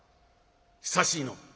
久しいのう」。